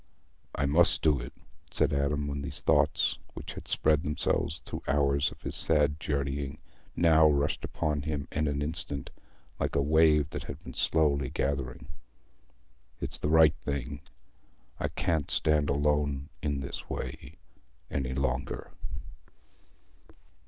"I must do it," said Adam, when these thoughts, which had spread themselves through hours of his sad journeying, now rushed upon him in an instant, like a wave that had been slowly gathering; "it's the right thing. I can't stand alone in this way any longer."